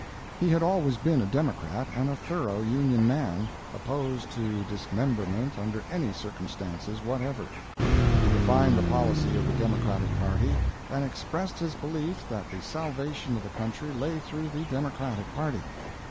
He had always been a Democrat and a thorough Union man, opposed to dismemberment under any circumstances whatever. He defined the policy of the Democratic party, and expressed his belief that the salvation of the country lay through the Democratic party.